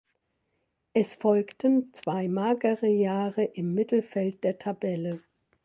Es folgten zwei magere Jahre im Mittelfeld der Tabelle.